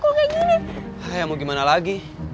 kalau gak ngirim